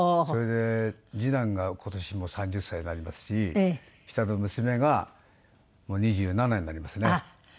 それで次男が今年もう３０歳になりますし下の娘が２７になりますね。